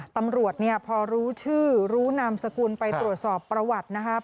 ตำรวจเนี่ยพอรู้ชื่อรู้นามสกุลไปตรวจสอบประวัตินะครับ